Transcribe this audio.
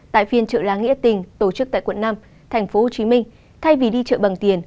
tại phiên trợ lá nghĩa tình tổ chức tại quận năm tp hcm thay vì đi chợ bằng tiền